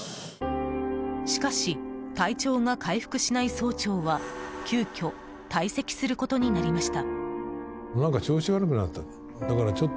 しかし、体調が回復しない総長は急きょ退席することになりました。